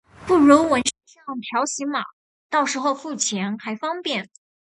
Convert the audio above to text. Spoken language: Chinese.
不如纹上条形码，到时候付钱还方便